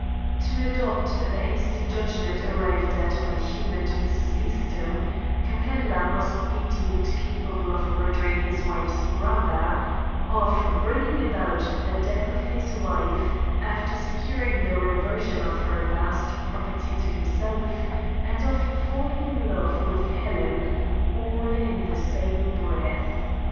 To adopt the hasty judgment arrived at by Hume and Mrs. Eastham, Capella must be deemed capable of murdering his wife's brother, of bringing about the death of his wife after securing the reversion of her vast property to himself, and of falling in love with Helen all in the same breath.